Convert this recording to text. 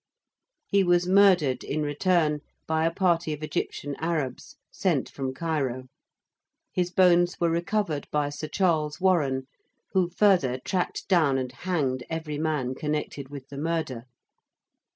He was murdered in return by a party of Egyptian Arabs sent from Cairo. His bones were recovered by Sir Charles Warren who further tracked down and hanged every man connected with the murder.